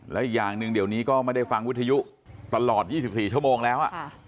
แล้วอีกอย่างหนึ่งเดี๋ยวนี้ก็ไม่ได้ฟังวิทยุตลอด๒๔ชั่วโมงแล้ว